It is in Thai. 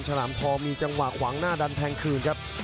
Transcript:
ฉลามทองมีจังหวะขวางหน้าดันแทงคืนครับ